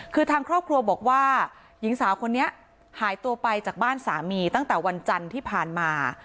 คือทางครอบครัวบอกว่าหญิงสาวคนนี้หายตัวไปจากบ้านสามีตั้งแต่วันจันทร์ที่ผ่านมา